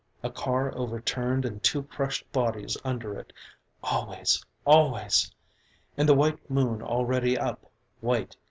A car overturned and two crushed bodies under it. Always! Always! And the white moon already up. White.